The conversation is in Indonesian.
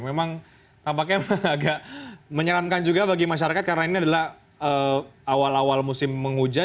memang tampaknya agak menyeramkan juga bagi masyarakat karena ini adalah awal awal musim hujan